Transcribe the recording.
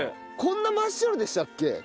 こんな真っ白でしたっけ？